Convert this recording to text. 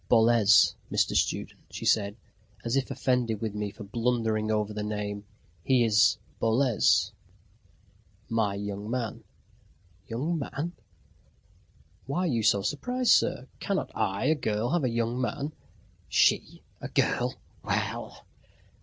"Boles, Mr. Student," she said, as if offended with me for blundering over the name, "he is Boles my young man." "Young man!" "Why are you so surprised, sir? Cannot I, a girl, have a young man?" She? A girl? Well!